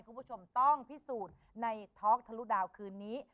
คุณผู้ชมต้องพิสูจน์ในท็อกทะลุดาวคืนนี้